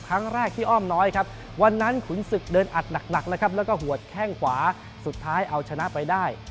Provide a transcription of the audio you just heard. ครั้งแรกที่อ้อมน้อยครับวันนั้นขุนศึกเดินอัดหนักแล้วครับแล้วก็หัวแข้งขวาสุดท้ายเอาชนะไปได้